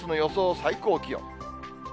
最高気温。